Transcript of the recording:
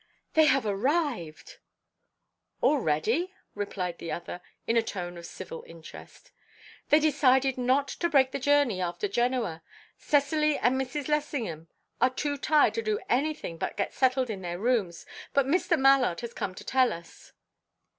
"They have arrived!" "Already?" replied the other, in a tone of civil interest. "They decided not to break the journey after Genoa. Cecily and Mrs. Lessingham are too tired to do anything but get settled in their rooms, but Mr. Mallard has come to tell us."